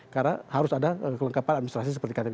karena harus ada kelengkapan administrasi seperti ktp